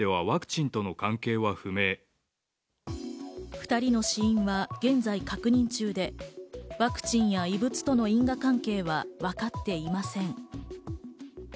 ２人の死因は現在確認中で、ワクチンや異物との因果関係は分かっていません。